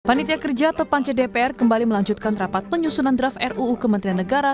panitia kerja atau pance dpr kembali melanjutkan rapat penyusunan draft ruu kementerian negara